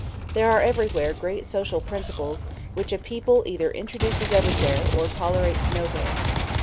There are certain great social principles, which a people either introduces everywhere, or tolerates nowhere.